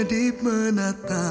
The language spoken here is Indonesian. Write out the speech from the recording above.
aku akan mencari kamu